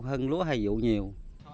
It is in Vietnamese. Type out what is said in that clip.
hơn lúa hay dụ nhiều